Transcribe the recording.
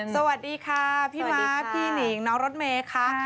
สวัสดีค่ะพี่ม้าพี่หนิงน้องรถเมย์ค่ะ